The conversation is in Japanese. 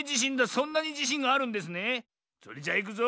それじゃあいくぞ。